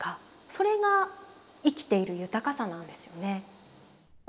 それが生きている豊かさなんですよね。